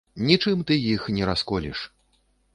Нічым ты іх не расколеш.